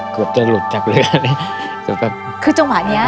กลัวจะหลุดจากเรือเนี่ย